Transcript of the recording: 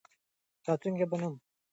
راتلونکی به نوې لارې راولي.